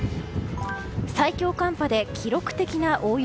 最強寒波で記録的な大雪。